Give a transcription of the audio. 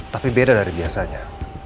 tapi beda dari biasanya